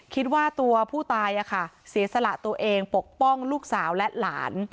คิดว่าตัวผู้ตายเสียสละตัวเองปกป้องลูกสาวและหลาน